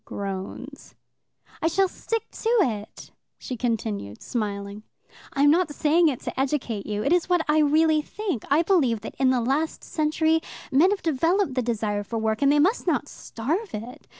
Groans. "I shall stick to it," she continued, smiling. "I am not saying it to educate you; it is what I really think. I believe that in the last century men have developed the desire for work, and they must not starve it.